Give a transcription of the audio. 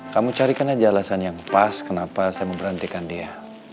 kamu carikan aja alasan yang pas kenapa saya memberhentikan dia